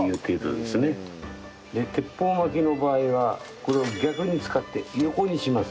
鉄砲巻きの場合はこれを逆に使って横にします。